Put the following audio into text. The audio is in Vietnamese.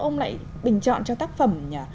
ông lại bình chọn cho tác phẩm